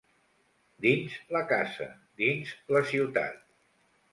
Dins la casa, dins la ciutat.